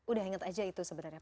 udah inget aja itu sebenarnya